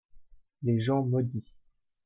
les gens maudits.